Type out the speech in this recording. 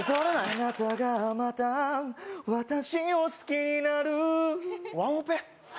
あなたがまた私を好きになるワンオペ？